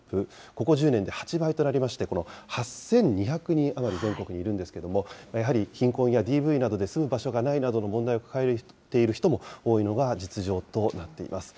ここ１０年で８倍となりまして、８２００人余り全国にいるんですけれども、やはり、貧困やＤＶなどで住む場所がないなどの問題を抱えている人も多いのが実情となっています。